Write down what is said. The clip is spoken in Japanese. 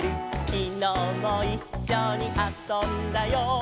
「きのうもいっしょにあそんだよ」